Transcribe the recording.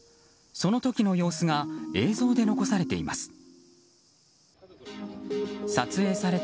その時の様子が映像で残されています。